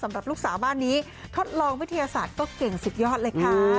สำหรับลูกสาวบ้านนี้ทดลองวิทยาศาสตร์ก็เก่งสุดยอดเลยค่ะ